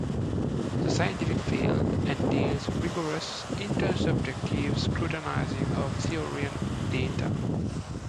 The scientific field entails rigorous intersubjective scrutinizing of theory and data.